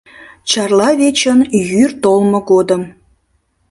Чарла вечын йӱр толмо годым